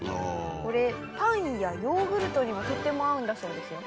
これパンやヨーグルトにもとっても合うんだそうですよ。